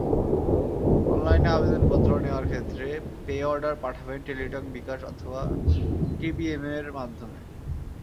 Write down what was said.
অনলাইনে আবেদনপত্র নেওয়ার ক্ষেত্রে পে-অর্ডার পাঠাবেন টেলিটক, বিকাশ অথবা টিবিএমএম মাধ্যমে।